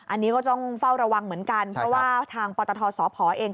อันนี้ก็ต้องเฝ้าระวังเหมือนกันเพราะว่าทางปตทสพเอง